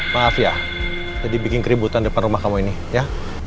maaf ya jadi bikin keributan depan rumah kamu ini ya